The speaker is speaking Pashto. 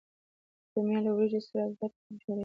رومیان له ورېجو سره ګډ سوپ جوړوي